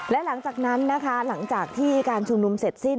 และหลังจากนั้นนะคะหลังจากที่การชุมนุมเสร็จสิ้น